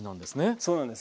そうなんです。